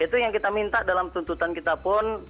itu yang kita minta dalam tuntutan kita pun